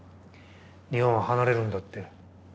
日本を離れるんだって。